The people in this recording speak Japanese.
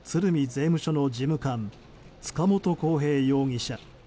税務署の事務官塚本晃平容疑者